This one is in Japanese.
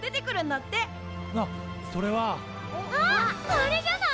あれじゃない！？